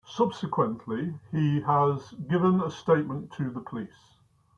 Subsequently, he has given a statement to the police.